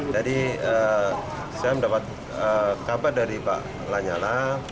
jadi saya mendapat kabar dari pak lanyala